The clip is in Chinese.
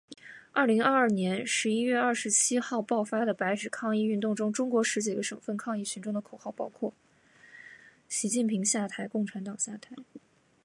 二零二二年十一月二十七号爆发的白纸抗议运动中，中国十几个省份抗议群众的口号包括“习近平下台，共产党下台”